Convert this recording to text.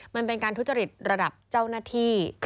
มันเป็นการทุจริตระดับเจ้าหน้าที่